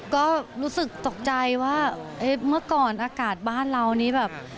ก็รู้สึกตกใจว่าเมื่อก่อนอากาศบ้านเรานี่แบบ